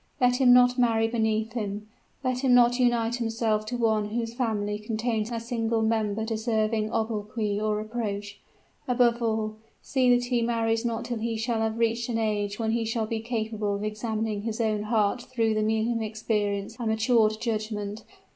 Let him not marry beneath him; let him not unite himself to one whose family contains a single member deserving obloquy or reproach. Above all, see that he marries not till he shall have reached an age when he will be capable of examining his own heart through the medium of experience and matured judgment.